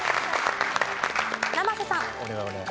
生瀬さん。